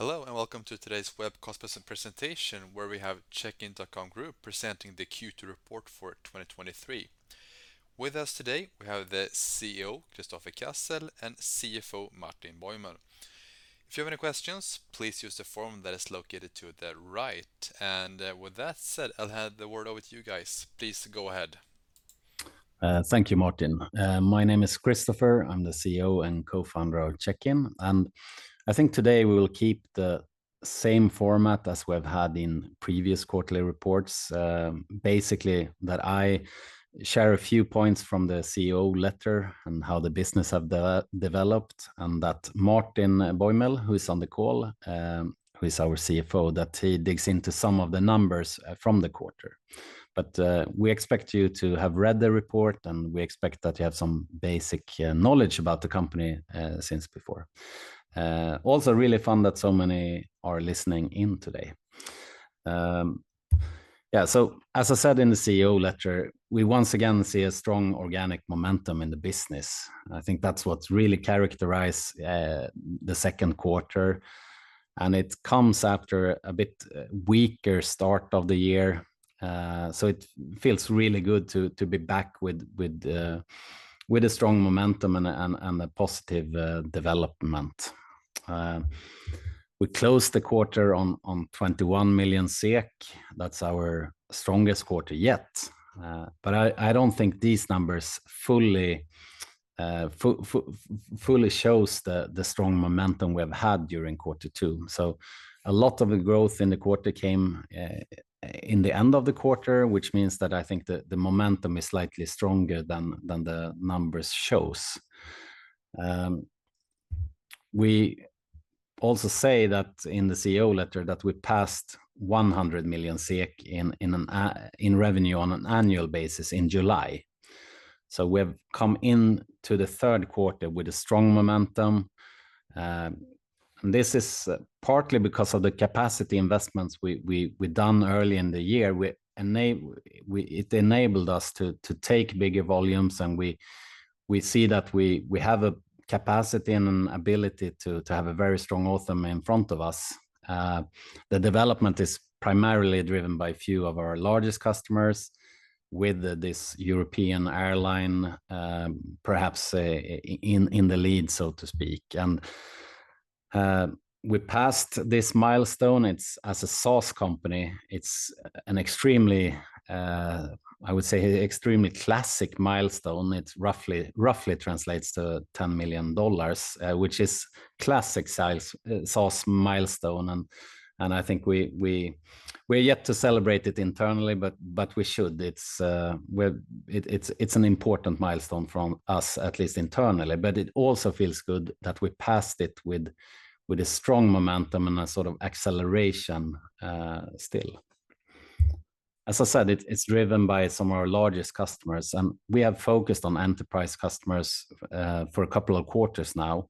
Hello, and welcome to today's webcast presentation, where we have Checkin.com Group presenting the Q2 report for 2023. With us today, we have the CEO, Kristoffer Cassel, and CFO, Martin Bäuml. If you have any questions, please use the form that is located to the right. With that said, I'll hand the word over to you guys. Please go ahead. Thank you, Martin. My name is Kristoffer, I'm the CEO and Co-founder of Checkin. I think today we will keep the same format as we've had in previous quarterly reports. Basically, that I share a few points from the CEO letter and how the business have developed, and that Martin Bäuml, who is on the call, who is our CFO, that he digs into some of the numbers from the quarter. We expect you to have read the report, and we expect that you have some basic knowledge about the company since before. Also really fun that so many are listening in today. As I said in the CEO letter, we once again see a strong organic momentum in the business. I think that's what's really characterize the second quarter. It comes after a bit weaker start of the year. It feels really good to, to be back with, with a strong momentum and, and, and a positive development. We closed the quarter on, on 21 million SEK. That's our strongest quarter yet. I, I don't think these numbers fully fully shows the, the strong momentum we have had during quarter two. A lot of the growth in the quarter came in the end of the quarter, which means that I think the, the momentum is slightly stronger than, than the numbers shows. We also say that in the CEO letter, that we passed 100 million SEK in, in revenue on an annual basis in July. We have come into the third quarter with a strong momentum. And this is partly because of the capacity investments we done early in the year, which enable... It enabled us to take bigger volumes, and we see that we have a capacity and an ability to have a very strong autumn in front of us. The development is primarily driven by a few of our largest customers with this European airline, perhaps in the lead, so to speak. We passed this milestone. As a SaaS company, it's an extremely, I would say, extremely classic milestone. It roughly, roughly translates to $10 million, which is classic sales- SaaS milestone. I think we're yet to celebrate it internally, but we should. It's an important milestone from us, at least internally, but it also feels good that we passed it with, with a strong momentum and a sort of acceleration still. As I said, it's driven by some of our largest customers, and we have focused on enterprise customers for a couple of quarters now,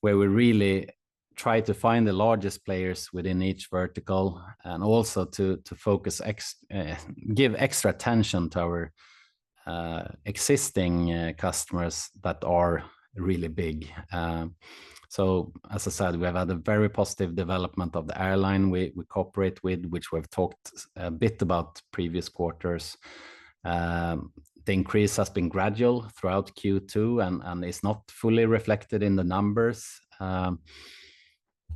where we really try to find the largest players within each vertical and also to give extra attention to our existing customers that are really big. As I said, we have had a very positive development of the airline we, we cooperate with, which we've talked a bit about previous quarters. The increase has been gradual throughout Q2, and it's not fully reflected in the numbers.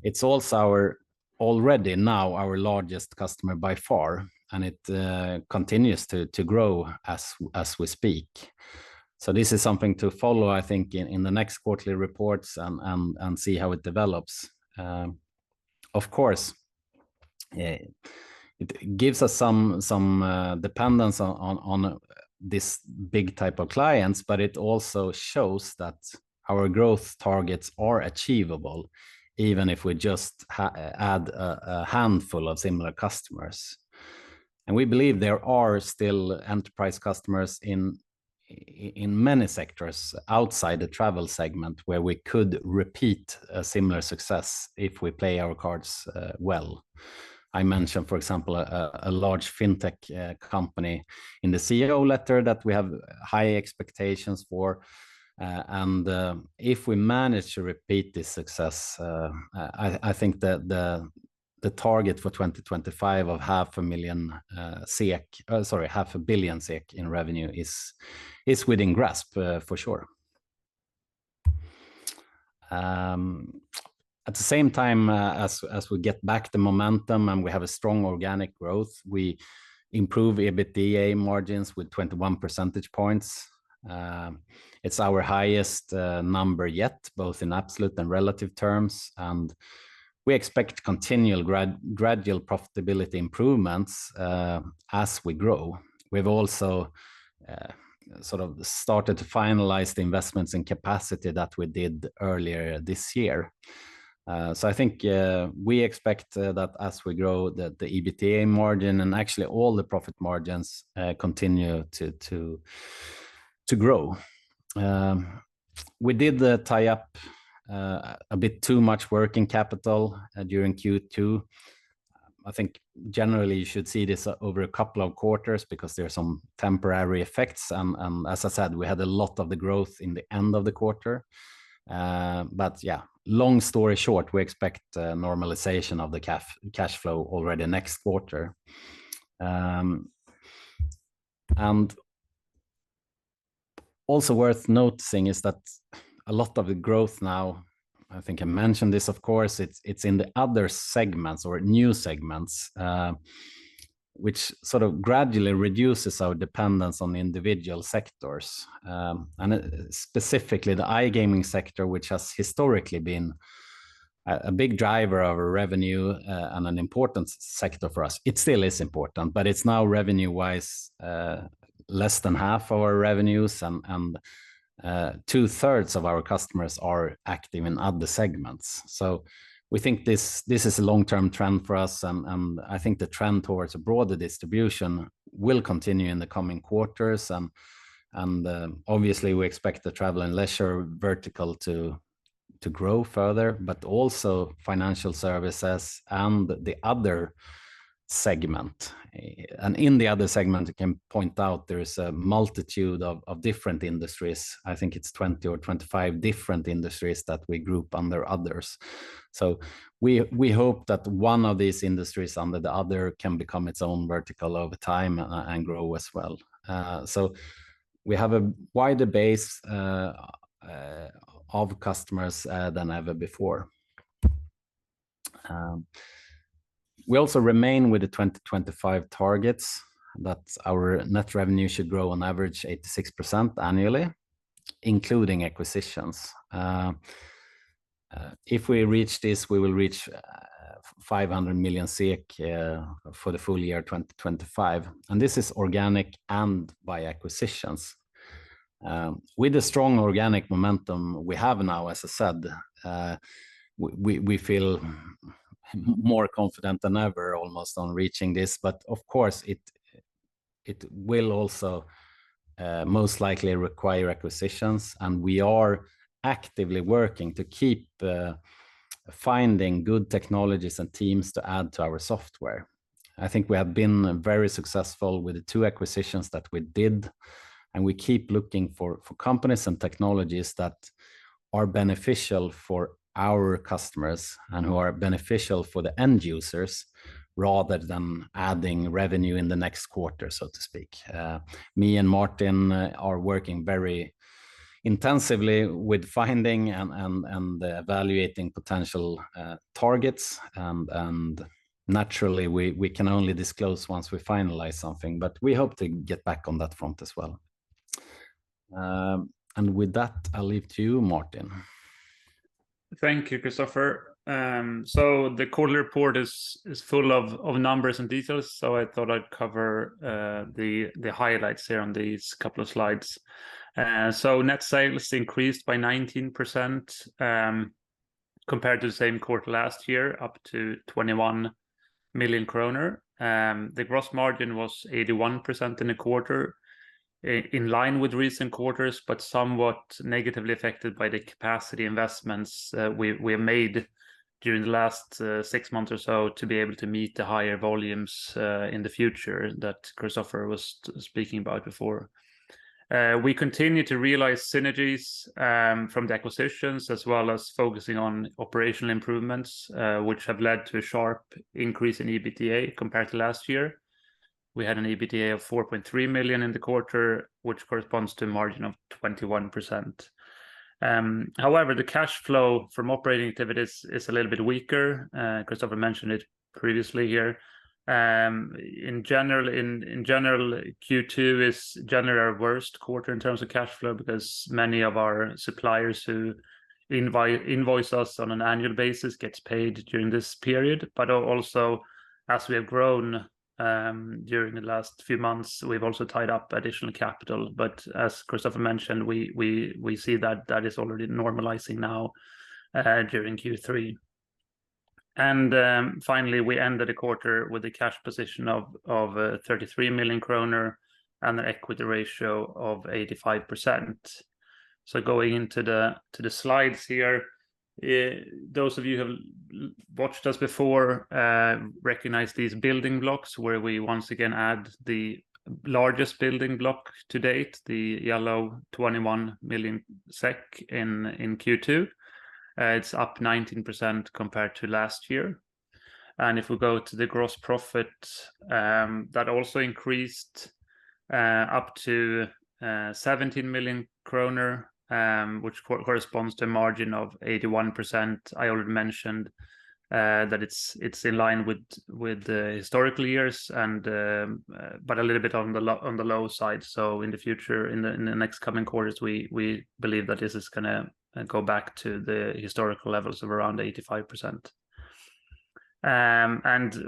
It's also already now our largest customer by far, and it continues to grow as we speak. This is something to follow, I think, in the next quarterly reports and see how it develops. Of course, it gives us some dependence on this big type of clients, but it also shows that our growth targets are achievable, even if we just add a handful of similar customers. We believe there are still enterprise customers in many sectors outside the travel segment, where we could repeat a similar success if we play our cards well. I mentioned, for example, a large Fintech company in the CEO letter that we have high expectations for. If we manage to repeat this success, I, I think that the, the target for 2025 of 500,000 SEK... sorry, 500 million SEK in revenue is, is within grasp, for sure. At the same time, as, as we get back the momentum and we have a strong organic growth, we improve EBITDA margins with 21 percentage points. It's our highest number yet, both in absolute and relative terms, and we expect continual gradual profitability improvements as we grow. We've also sort of started to finalize the investments in capacity that we did earlier this year. I think, we expect that as we grow, that the EBITDA margin and actually all the profit margins continue to grow. We did tie up a bit too much working capital during Q2. I think generally you should see this over two quarters because there are some temporary effects. As I said, we had a lot of the growth in the end of the quarter. Yeah, long story short, we expect normalization of the cash flow already next quarter. Also worth noting is that a lot of the growth now, I think I mentioned this, of course, it's, it's in the other segments or new segments, which sort of gradually reduces our dependence on the individual sectors. Specifically, the iGaming sector, which has historically been a big driver of our revenue and an important sector for us. It still is important, but it's now revenue-wise, less than half of our revenues, and, and two-thirds of our customers are active in other segments. We think this, this is a long-term trend for us, and, and I think the trend towards a broader distribution will continue in the coming quarters. Obviously, we expect the travel and leisure vertical to, to grow further, but also financial services and the other segment. In the other segment, you can point out there is a multitude of, of different industries. I think it's 20 or 25 different industries that we group under others. We, we hope that one of these industries under the other can become its own vertical over time and grow as well. We have a wider base of customers than ever before. We also remain with the 2025 targets, that our net revenue should grow on average 86% annually, including acquisitions. If we reach this, we will reach 500 million SEK for the full year 2025, and this is organic and by acquisitions. With the strong organic momentum we have now, as I said, we feel more confident than ever, almost on reaching this. Of course, it, it will also most likely require acquisitions, and we are actively working to keep finding good technologies and teams to add to our software. I think we have been very successful with the two acquisitions that we did, and we keep looking for, for companies and technologies that are beneficial for our customers and who are beneficial for the end users, rather than adding revenue in the next quarter, so to speak. Me and Martin are working very intensively with finding and evaluating potential targets. Naturally, we can only disclose once we finalize something, but we hope to get back on that front as well. With that, I'll leave to you, Martin. Thank you, Kristoffer. The quarterly report is full of numbers and details, so I thought I'd cover the highlights here on these couple of slides. Net sales increased by 19% compared to the same quarter last year, up to 21 million kronor. The gross margin was 81% in the quarter, in line with recent quarters, but somewhat negatively affected by the capacity investments we made during the last six months or so to be able to meet the higher volumes in the future that Kristoffer was speaking about before. We continue to realize synergies from the acquisitions, as well as focusing on operational improvements, which have led to a sharp increase in EBITDA compared to last year. We had an EBITDA of 4.3 million in the quarter, which corresponds to a margin of 21%. However, the cash flow from operating activities is a little bit weaker. Kristoffer mentioned it previously here. In general, in, in general, Q2 is generally our worst quarter in terms of cash flow, because many of our suppliers who invoice us on an annual basis gets paid during this period. Also, as we have grown, during the last few months, we've also tied up additional capital. As Kristoffer mentioned, we, we, we see that that is already normalizing now, during Q3. Finally, we ended the quarter with a cash position of, of, 33 million kronor and an equity ratio of 85%. Going into the, to the slides here, those of you who have watched us before, recognize these building blocks, where we once again add the largest building block to date, the yellow 21 million SEK in, in Q2. It's up 19% compared to last year. If we go to the gross profit, that also increased up to 17 million kronor, which corresponds to a margin of 81%. I already mentioned that it's, it's in line with, with the historical years and, but a little bit on the low side. In the future, in the, in the next coming quarters, we, we believe that this is going to go back to the historical levels of around 85%.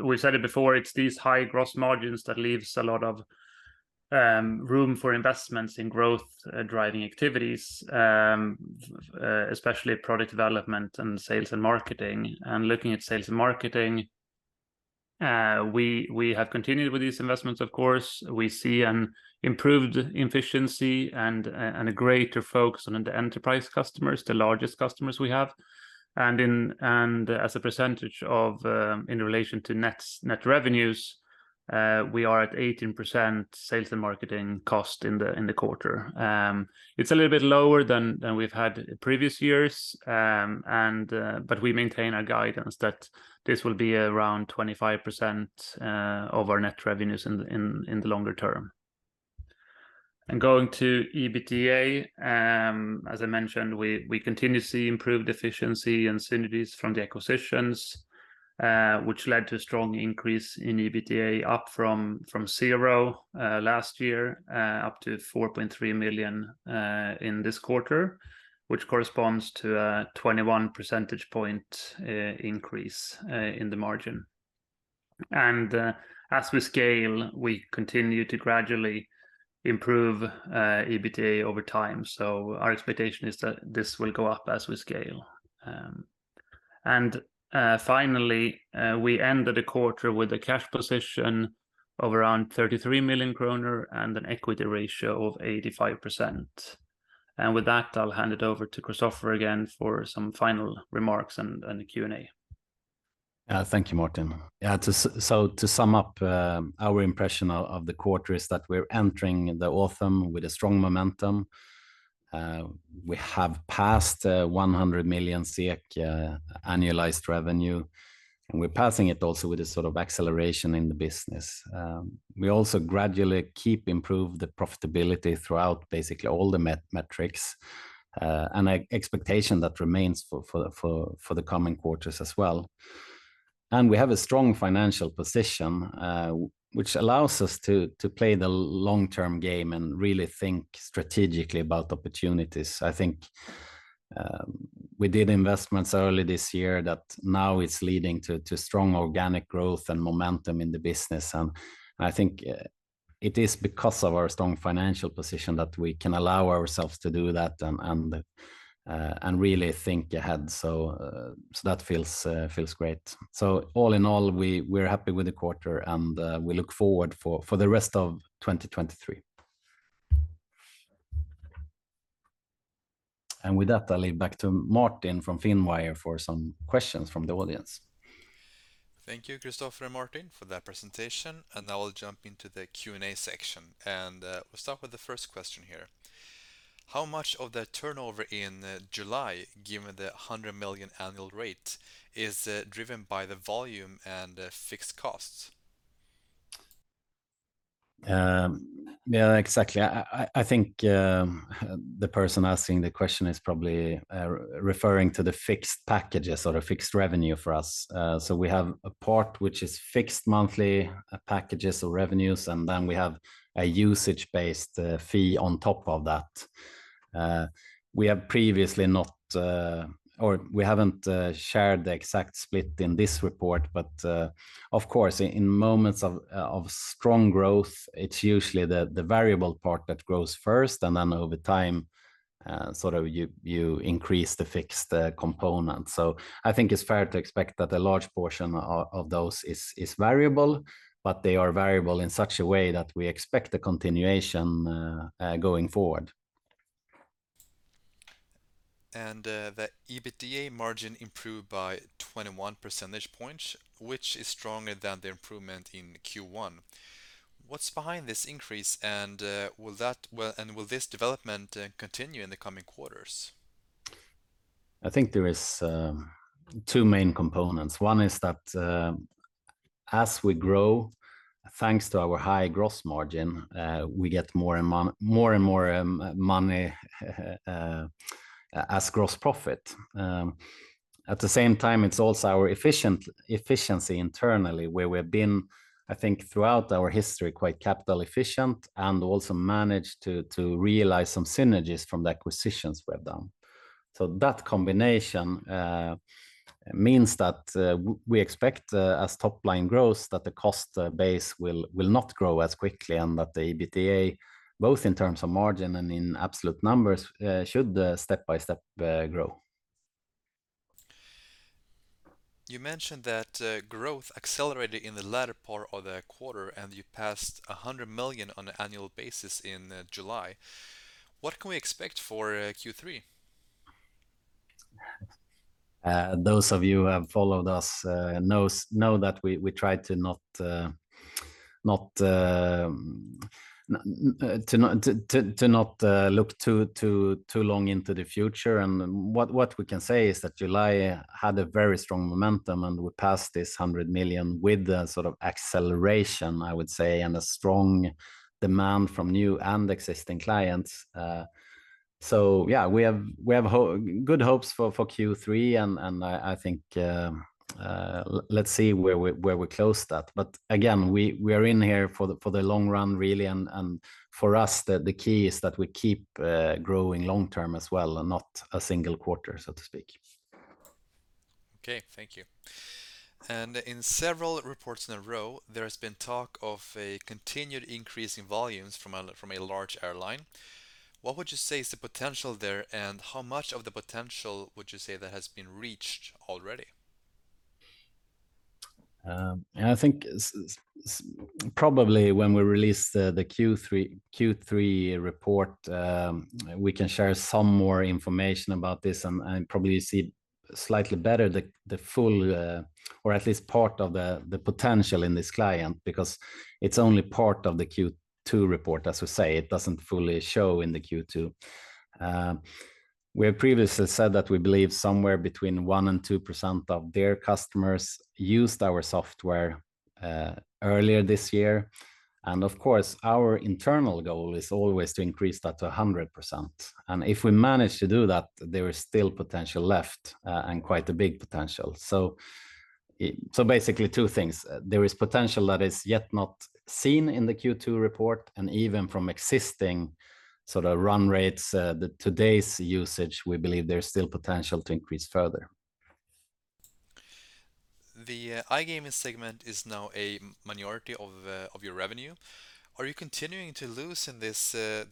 We've said it before, it's these high gross margins that leaves a lot of room for investments in growth driving activities, especially product development and sales and marketing. Looking at sales and marketing, we, we have continued with these investments, of course. We see an improved efficiency and a, and a greater focus on the enterprise customers, the largest customers we have. As a percentage of in relation to net, net revenues, we are at 18% sales and marketing cost in the, in the quarter. It's a little bit lower than, than we've had in previous years, and we maintain our guidance that this will be around 25% of our net revenues in the, in, in the longer term. Going to EBITDA, as I mentioned, we continue to see improved efficiency and synergies from the acquisitions, which led to a strong increase in EBITDA up from zero last year, up to 4.3 million in this quarter, which corresponds to a 21 percentage point increase in the margin. As we scale, we continue to gradually improve EBITDA over time. So our expectation is that this will go up as we scale. Finally, we ended the quarter with a cash position of around 33 million kronor and an equity ratio of 85%. With that, I'll hand it over to Kristoffer again for some final remarks and the Q&A. Thank you, Martin. Yeah, so to sum up, our impression of the quarter is that we're entering the autumn with a strong momentum. We have passed 100 million annualized revenue, and we're passing it also with a sort of acceleration in the business. We also gradually keep improve the profitability throughout basically all the metrics, and expectation that remains for the coming quarters as well. We have a strong financial position, which allows us to play the long-term game and really think strategically about opportunities. I think, we did investments early this year that now it's leading to, to strong organic growth and momentum in the business, and I think, it is because of our strong financial position that we can allow ourselves to do that and, and, and really think ahead. So that feels, feels great. All in all, we're happy with the quarter, and, we look forward for, for the rest of 2023. With that, I'll leave back to Martin from Finwire for some questions from the audience. Thank you, Kristoffer and Martin, for that presentation. Now we'll jump into the Q&A section. We'll start with the first question here: How much of the turnover in July, given the 100 million annual rate, is driven by the volume and the fixed costs? Yeah, exactly. I, I, I think the person asking the question is probably referring to the fixed packages or the fixed revenue for us. So we have a part which is fixed monthly packages or revenues, and then we have a usage-based fee on top of that. We have previously not, or we haven't shared the exact split in this report, but of course, in moments of strong growth, it's usually the variable part that grows first, and then over time, sort of you, you increase the fixed component. I think it's fair to expect that a large portion of those is variable, but they are variable in such a way that we expect a continuation going forward. The EBITDA margin improved by 21 percentage points, which is stronger than the improvement in Q1. What's behind this increase, and will that and will this development continue in the coming quarters? I think there is two main components. One is that as we grow, thanks to our high gross margin, we get more and more money as gross profit. At the same time, it's also our efficiency internally, where we've been, I think throughout our history, quite capital efficient and also managed to realize some synergies from the acquisitions we've done. That combination means that we expect as top-line grows, that the cost base will not grow as quickly and that the EBITDA, both in terms of margin and in absolute numbers, should step by step grow. You mentioned that growth accelerated in the latter part of the quarter, and you passed 100 million on an annual basis in July. What can we expect for Q3? Those of you who have followed us, know that we, we try to not, not to not look too, too, too long into the future. What, what we can say is that July had a very strong momentum, and we passed this 100 million with a sort of acceleration, I would say, and a strong demand from new and existing clients. Yeah, we have, we have good hopes for, for Q3, and, and I, I think, let's see where we, where we close that. Again, we are in here for the, for the long run, really, and, and for us, the, the key is that we keep growing long term as well and not a single quarter, so to speak. Okay, thank you. In several reports in a row, there's been talk of a continued increase in volumes from a large airline. What would you say is the potential there, and how much of the potential would you say that has been reached already? ... I think probably when we release the, the Q3, Q3 report, we can share some more information about this, and, and probably see slightly better the, the full, or at least part of the, the potential in this client, because it's only part of the Q2 report, as we say, it doesn't fully show in the Q2. We have previously said that we believe somewhere between 1% and 2% of their customers used our software earlier this year. Of course, our internal goal is always to increase that to 100%. If we manage to do that, there is still potential left, and quite a big potential. So basically two things: there is potential that is yet not seen in the Q2 report, and even from existing sort of run rates, the today's usage, we believe there's still potential to increase further. The iGaming segment is now a minority of, of your revenue. Are you continuing to lose in this,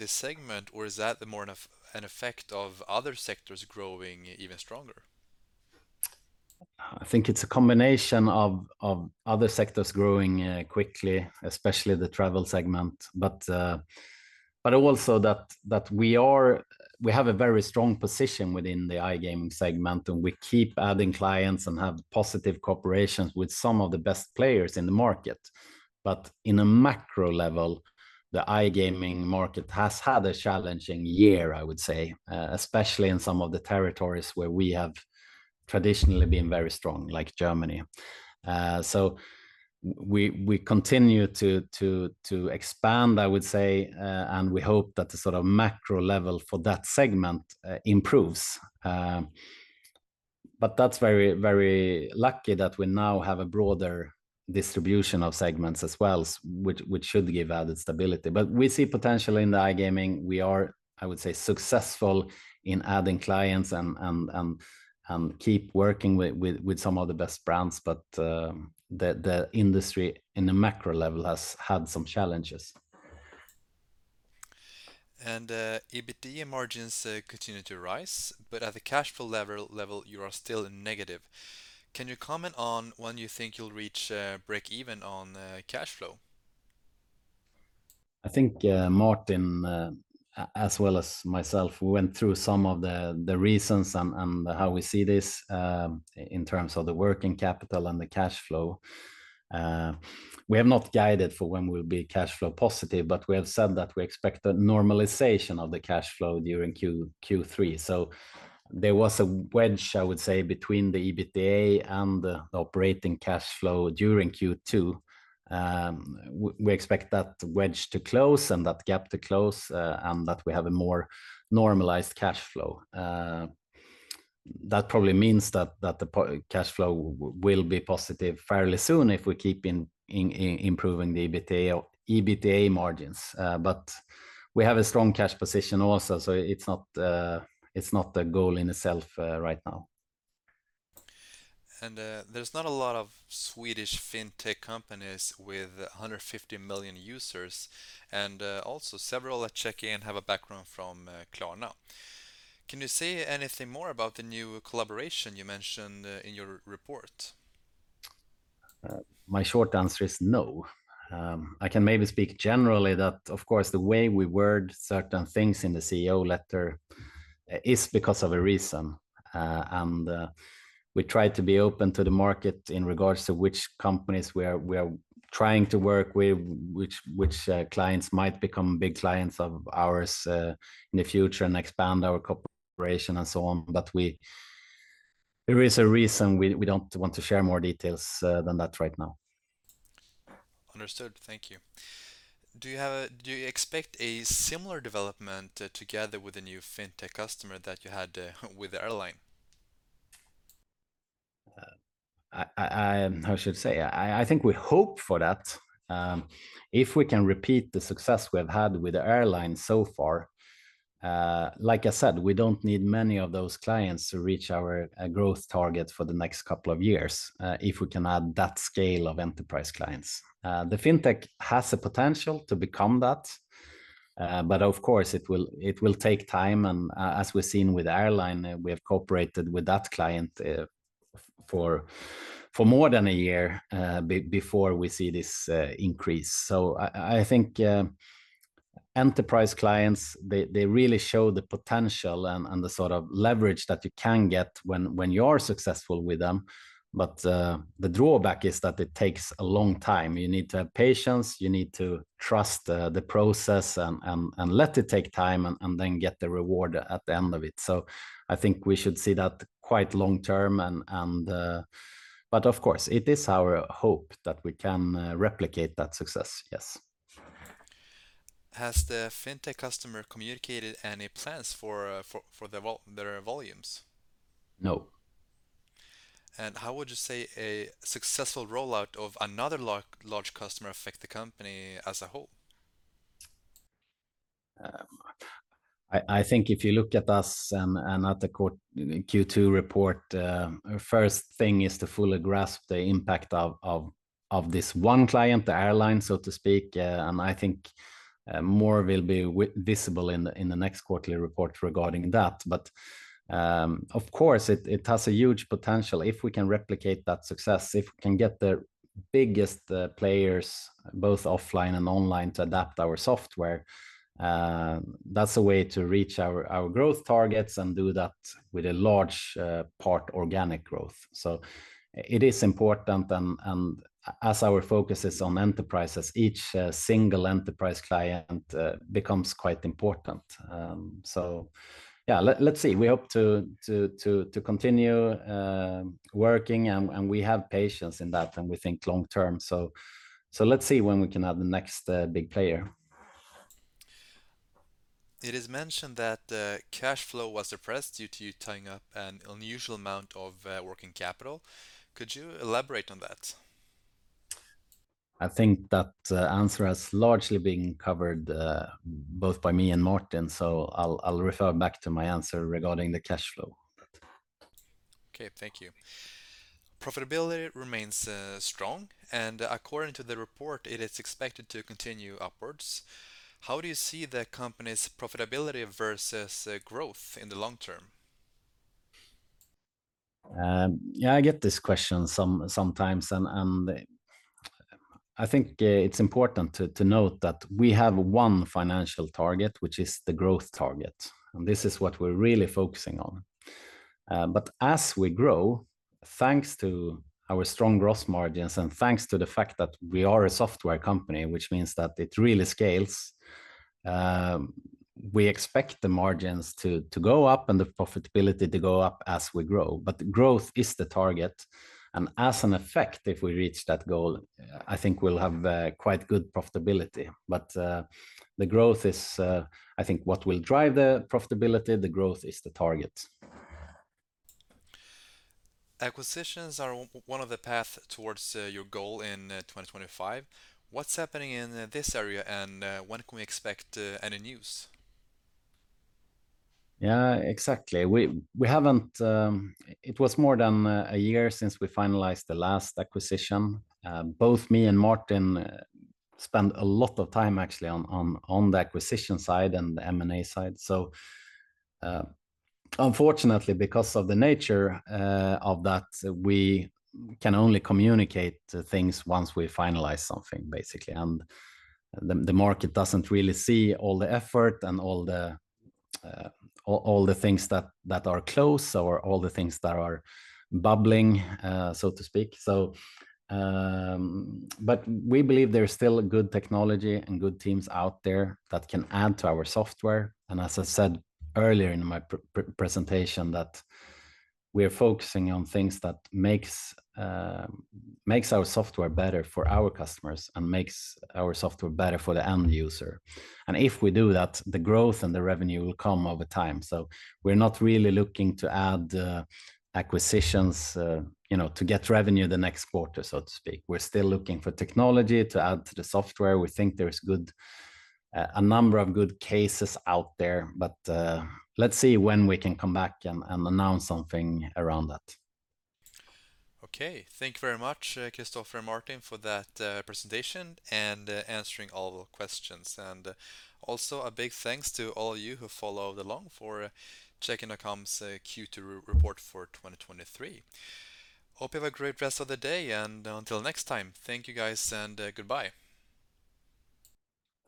this segment, or is that more of an effect of other sectors growing even stronger? I think it's a combination of, of other sectors growing quickly, especially the travel segment. Also that we have a very strong position within the iGaming segment, and we keep adding clients and have positive cooperation with some of the best players in the market. In a macro level, the iGaming market has had a challenging year, I would say, especially in some of the territories where we have traditionally been very strong, like Germany. So we continue to expand, I would say, and we hope that the sort of macro level for that segment improves. But that's very, very lucky that we now have a broader distribution of segments as well, which should give added stability. We see potential in the iGaming. We are, I would say, successful in adding clients and keep working with some of the best brands, but the industry in a macro level has had some challenges. EBITDA margins continue to rise, but at the cash flow level, you are still negative. Can you comment on when you think you'll reach break even on cash flow? I think, Martin, as well as myself, we went through some of the reasons and how we see this, in terms of the working capital and the cash flow. We have not guided for when we'll be cash flow positive, but we have said that we expect a normalization of the cash flow during Q2, Q3. There was a wedge, I would say, between the EBITDA and the operating cash flow during Q2. We expect that wedge to close and that gap to close, and that we have a more normalized cash flow. That probably means that the cash flow will be positive fairly soon if we keep improving the EBITDA, EBITDA margins. We have a strong cash position also, so it's not, it's not the goal in itself, right now. There's not a lot of Swedish Fintech companies with 150 million users, and also several at Checkin have a background from Klarna. Can you say anything more about the new collaboration you mentioned in your report? My short answer is no. I can maybe speak generally that, of course, the way we word certain things in the CEO letter is because of a reason. We try to be open to the market in regards to which companies we are, we are trying to work with, which, which, clients might become big clients of ours, in the future and expand our cooperation and so on. We- there is a reason we, we don't want to share more details, than that right now. Understood. Thank you. Do you have do you expect a similar development together with the new fintech customer that you had with the airline? I, I, I, how should I say? I, I think we hope for that. If we can repeat the success we have had with the airline so far, like I said, we don't need many of those clients to reach our growth target for the next two years, if we can add that scale of Enterprise clients. The fintech has the potential to become that, but of course, it will, it will take time, and as we've seen with the airline, we have cooperated with that client for, for more than one year, before we see this increase. I, I think Enterprise clients, they, they really show the potential and, and the sort of leverage that you can get when, when you are successful with them. The drawback is that it takes a long time. You need to have patience, you need to trust the process and let it take time, and then get the reward at the end of it. I think we should see that quite long term. But of course, it is our hope that we can replicate that success. Yes. Has the Fintech customer communicated any plans for, for, for their volumes? No. how would you say a successful rollout of another large customer affect the company as a whole? I, I think if you look at us and, and at the Q2 report, first thing is to fully grasp the impact of this one client, the airline, so to speak, and I think more will be visible in the next quarterly report regarding that. Of course, it, it has a huge potential if we can replicate that success, if we can get the biggest players, both offline and online, to adapt our software, that's a way to reach our, our growth targets and do that with a large part organic growth. It is important, and as our focus is on enterprises, each single enterprise client becomes quite important. So yeah, let, let's see. We hope to continue working, and, and we have patience in that, and we think long term. So let's see when we can add the next big player. It is mentioned that cash flow was suppressed due to you tying up an unusual amount of working capital. Could you elaborate on that? I think that answer has largely been covered, both by me and Martin, so I'll, I'll refer back to my answer regarding the cash flow. Okay, thank you. Profitability remains strong, and according to the report, it is expected to continue upwards. How do you see the company's profitability versus growth in the long term? Yeah, I get this question some- sometimes, and, and I think it's important to, to note that we have one financial target, which is the growth target, and this is what we're really focusing on. As we grow, thanks to our strong gross margins and thanks to the fact that we are a software company, which means that it really scales, we expect the margins to, to go up and the profitability to go up as we grow. Growth is the target, and as an effect, if we reach that goal, I think we'll have quite good profitability. The growth is, I think what will drive the profitability. The growth is the target. Acquisitions are one of the path towards your goal in 2025. What's happening in this area, and when can we expect any news? Yeah, exactly. We, we haven't. It was more than a year since we finalized the last acquisition. Both me and Martin spent a lot of time actually on the acquisition side and the M&A side. Unfortunately, because of the nature of that, we can only communicate the things once we finalize something, basically, and the market doesn't really see all the effort and all the things that are close or all the things that are bubbling, so to speak. But we believe there's still a good technology and good teams out there that can add to our software, and as I said earlier in my pre-presentation, that we're focusing on things that makes our software better for our customers and makes our software better for the end user. If we do that, the growth and the revenue will come over time. We're not really looking to add acquisitions, you know, to get revenue the next quarter, so to speak. We're still looking for technology to add to the software. We think there is good, a number of good cases out there, but, let's see when we can come back and, and announce something around that. Okay. Thank you very much, Kristoffer and Martin, for that presentation and answering all the questions. Also a big thanks to all of you who followed along for Checkin.com's Q2 report for 2023. Hope you have a great rest of the day, and until next time, thank you guys, and goodbye.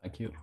Thank you.